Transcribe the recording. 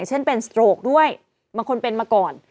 เช่นเป็นสโตรกด้วยบางคนเป็นมาก่อน